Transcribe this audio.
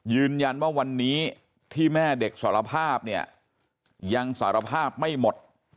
ยืนยันว่าวันนี้ที่แม่เด็กสารภาพเนี่ยยังสารภาพไม่หมด